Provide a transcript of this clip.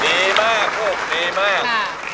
ดีมากลูกดีมาก